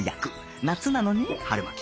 夏なのに春巻き